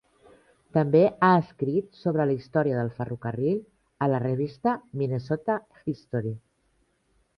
També ha escrit sobre la història del ferrocarril a la revista Minnesota History.